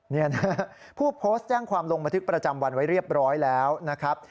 นี่นะผู้โพสต์แจ้งความลงบันทึกประจำวันไว้เรียบร้อยแล้วนะครับ